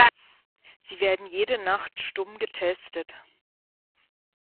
Sie werden jede Nacht stumm getestet.